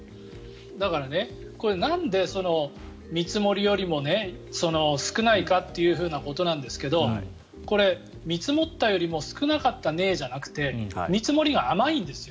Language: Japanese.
だから、なんで見積もりよりも少ないかということですがこれ、見積もったよりも少なかったねじゃなくて見積もりが甘いんですよ。